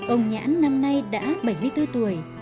ông nhãn năm nay đã bảy mươi bốn tuổi